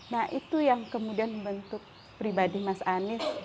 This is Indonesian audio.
nah itu yang kemudian membentuk pribadi mas anies